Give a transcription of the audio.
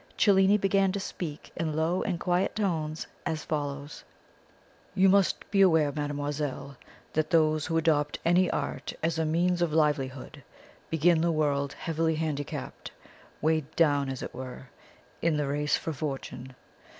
Cellini began to speak in low and quiet tones as follows: "You must be aware, mademoiselle, that those who adopt any art as a means of livelihood begin the world heavily handicapped weighted down, as it were, in the race for fortune.